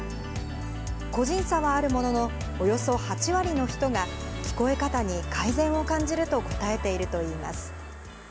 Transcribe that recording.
個人差はあるものの、およそ８割の人が、聞こえ方に改善を感じると答えているといいます。